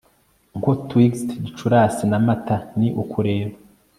Nko twixt Gicurasi na Mata ni ukureba